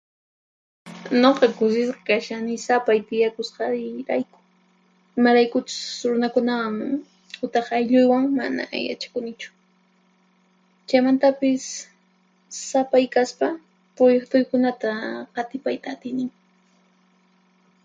Nuqa kusisqa kashani sapay tiyakusqayrayku, imaraykuchus runakunawan utaq aylluywan mana yachakunichu. Chaymantapis sapaykaspa pruyiqtuykunata qatipayta atinin.